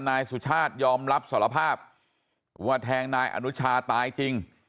นายสุชาติยอมรับสารภาพว่าแทงนายอนุชาตายจริง